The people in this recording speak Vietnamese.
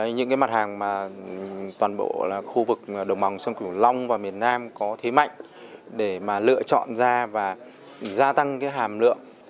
những cái mặt hàng mà toàn bộ là khu vực đồng bằng sông cửu long và miền nam có thế mạnh để mà lựa chọn ra và gia tăng cái hàm lượng